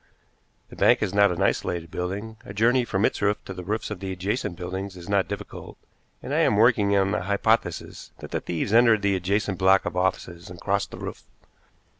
The bank is not an isolated building. A journey from its roof to the roofs of the adjacent buildings is not difficult, and I am working on the hypothesis that the thieves entered the adjacent block of offices and crossed the roof.